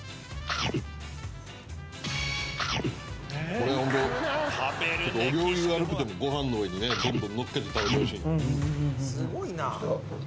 これホントお行儀悪くてもご飯の上にねどんどんのっけて食べてほしい。